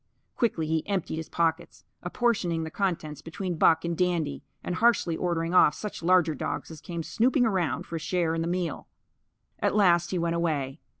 Quickly he emptied his pockets; apportioning the contents between Buck and Dandy, and harshly ordering off such larger dogs as came snooping around for a share in the meal. At last he went away.